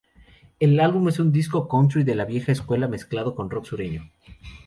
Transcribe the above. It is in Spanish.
El álbum es un disco country de la vieja escuela mezclado con rock sureño.